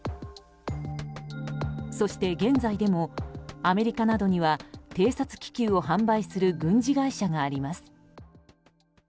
そして現在でもアメリカなどには偵察気球を販売する軍事会社があります。